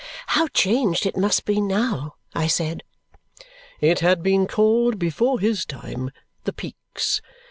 "How changed it must be now!" I said. "It had been called, before his time, the Peaks.